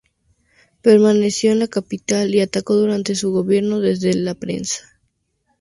Permaneció en la capital y atacó duramente su gobierno desde la prensa.